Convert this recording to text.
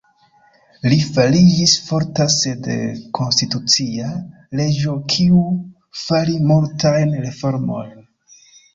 Li fariĝis forta sed konstitucia reĝo kiu faris multajn reformojn.